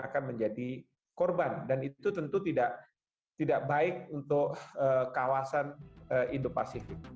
akan menjadi korban dan itu tentu tidak tidak baik untuk kawasan indo pasifik